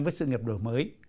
với sự nghiệp đổi mới